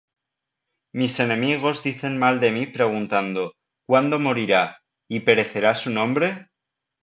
Mis enemigos dicen mal de mí preguntando: ¿Cuándo morirá, y perecerá su nombre?